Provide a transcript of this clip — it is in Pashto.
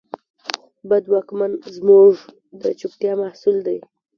بد واکمن زموږ د چوپتیا محصول دی.